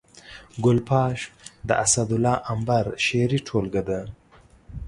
ګل پاش د اسدالله امبر شعري ټولګه ده